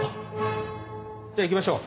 じゃあ行きましょう。